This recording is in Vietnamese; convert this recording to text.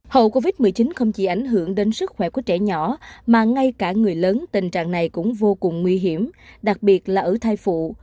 hậu covid một mươi chín không chỉ ảnh hưởng đến sức khỏe của trẻ nhỏ mà ngay cả người lớn tình trạng này cũng vô cùng nguy hiểm đặc biệt là ở thai phụ